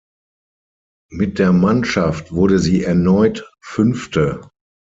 Mit der Mannschaft wurde sie erneut Fünfte.